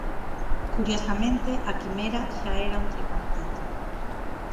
Curiosamente a quimera xa era un tripartito.